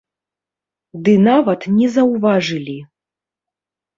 Ды нават не заўважылі!